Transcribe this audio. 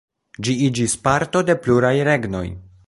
Ĝi iĝis parto de pluraj regnoj.